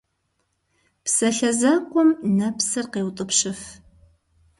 Псалъэ закъуэм нэпсыр къеутӏыпщыф.